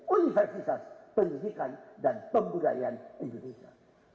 universitas pendidikan dan pembudayaan indonesia